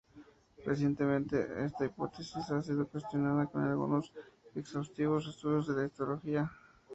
Recientemente, esta hipótesis ha sido cuestionada con algunos exhaustivos estudios de la histología.